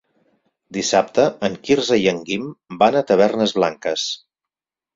Dissabte en Quirze i en Guim van a Tavernes Blanques.